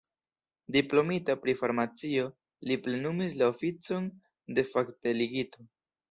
Diplomita pri farmacio, li plenumis la oficon de fakdelegito.